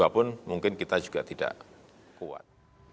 lima ratus dua pun mungkin kita juga tidak kuat